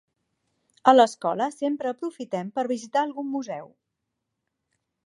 A l'escola sempre aprofitem per visitar algun museu.